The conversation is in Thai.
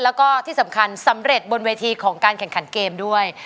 แล้วก็ที่สำคัญสำเร็จบนเวทีของการแข่งขันเกมด้วย